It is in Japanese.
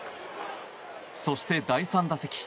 そして、第３打席。